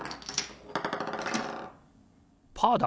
パーだ！